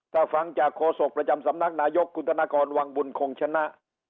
ถ้าฟังจากโฆษกประจำสำนักนายกคุณธนกรวังบุญคงชนะ